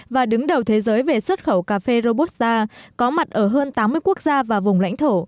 và đứng đầu thế giới về xuất khẩu cà phê robot xa có mặt ở hơn tám mươi quốc gia và vùng lãnh thổ